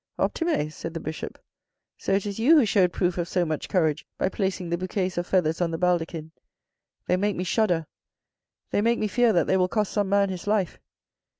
" Optime," said the Bishop. " So, it is you who showed proof of so much courage by placing the bouquets of feathers on the baldachin. They make me shudder. They make me fear that they will cost some man his life.